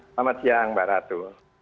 selamat siang mbak ratu